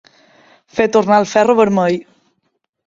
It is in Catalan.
Fer tornar el ferro vermell.